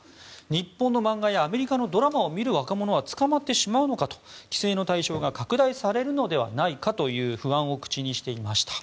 日本の漫画やアメリカのドラマを見る若者は捕まってしまうのかと規制の対象が拡大されるのではないかという不安を口にしていました。